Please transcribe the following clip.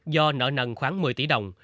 do nợ nần khoảng một mươi tỷ đồng